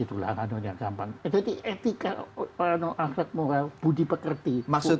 jadi etika akhlak moral budi pekerti